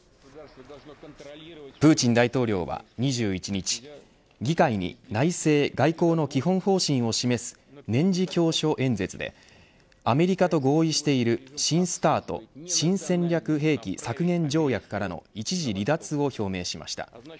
プーチン大統領は２１日議会に内政・外交の基本方針を示す年次教書演説でアメリカと合意している新ＳＴＡＲＴ新戦略兵器削減条約からの一時離脱を表明しました。